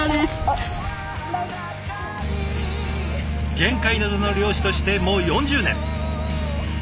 玄界灘の漁師としてもう４０年。